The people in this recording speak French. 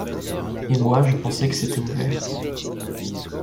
Et moi je pensais que c'était ouvert